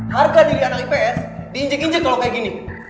harga diri anak ips diinjek injek kalau kayak gini